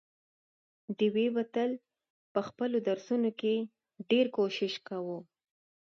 ډېوې به تل په خپلو درسونو کې ډېر کوښښ کاوه،